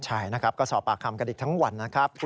ใช่นะครับก็สอบปากคำกันอีกทั้งวันนะครับ